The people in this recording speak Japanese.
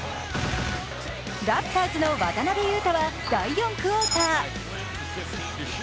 ラプターズの渡邊雄太は第４クオーター。